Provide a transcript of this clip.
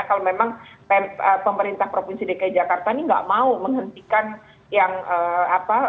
kalau memang pemerintah provinsi dki jakarta ini nggak mau menghentikan yang apa